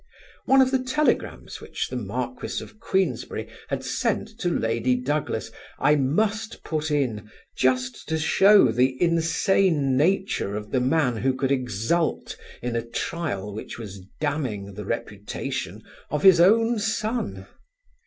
One of the telegrams which the Marquis of Queensberry had sent to Lady Douglas I must put in just to show the insane nature of the man who could exult in a trial which was damning the reputation of his own son.